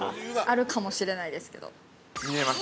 あるかもしれないですけど。